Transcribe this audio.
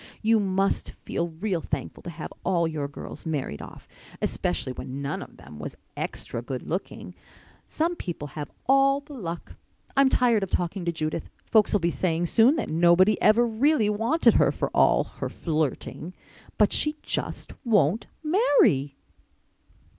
You must feel real thankful to have all your girls married off—especially when none of them was extry good looking. Some people have all the luck. I'm tired of talking to Judith. Folks'll be saying soon that nobody ever really wanted her, for all her flirting. But she just won't marry."